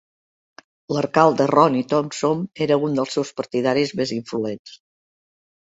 L'alcalde Ronnie Thompson era un dels seus partidaris més influents.